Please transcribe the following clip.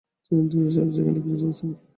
তিনি দীর্ঘ সাড়ে ছয় ঘণ্টা ক্রিজে অবস্থান করেন।